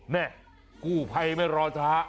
นี่กู้ภัยไม่รอช้า